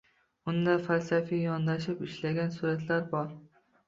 Unda falsafiy yondashib ishlagan suratlar bor.